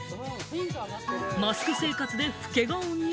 マスク生活で老け顔に？